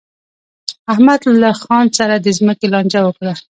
احمد له خان سره د ځمکې لانجه وکړه.